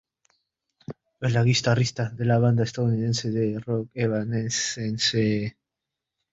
Es la guitarrista de la banda estadounidense de rock Evanescence.